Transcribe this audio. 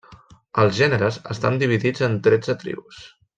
Els gèneres estan dividits en tretze tribus.